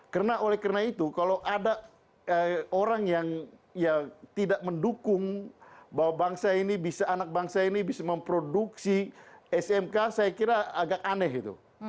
karena oleh karena itu kalau ada orang yang ya tidak mendukung bahwa bangsa ini bisa anak bangsa ini bisa memproduksi smk saya kira agak aneh gitu